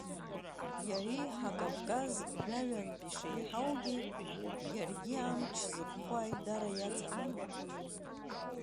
Иареиҳа Кавказ жәаҩантә ишеиҳаугьы, иаргьы амч зықәхо аидара иаҵами.